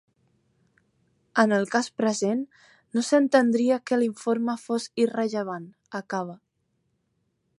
En el cas present no s’entendria que l’informe fos irrellevant, acaba.